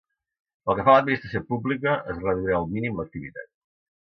Pel que fa a l’administració pública, es reduirà al mínim l’activitat.